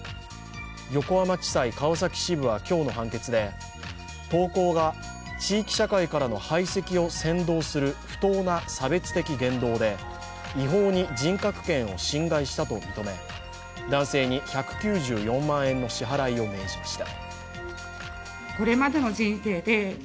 横浜地裁川崎支部は今日の判決で投稿が地域社会からの排斥を扇動する不当な差別的言動で、違法に人格権を侵害したと認め、男性に１９４万円の支払いを命じました。